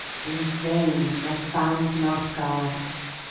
In vain! I found not God.